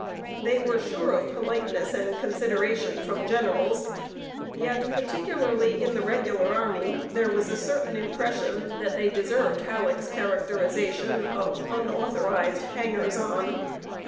They were sure of politeness and consideration from generals; yet, particularly in the regular army, there was a certain impression that they deserved Halleck's characterization of "unauthorized hangers on."